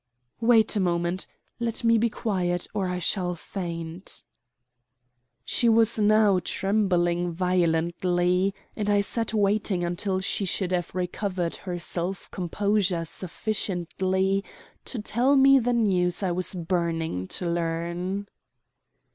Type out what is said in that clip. "Wait a moment. Let me be quiet, or I shall faint." She was now trembling violently, and I sat waiting until she should have recovered her self composure sufficiently to tell me the news I was burning to learn.